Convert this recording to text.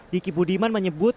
diki budiman menyebut